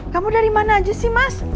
kamu dari mana aja sih mas